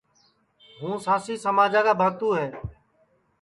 ہُوں سانٚسی سماجا کا بھاتُو ہے